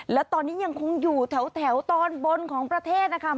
และตอนนี้ยังคงอยู่แถวตอนบนของประเทศนะคะ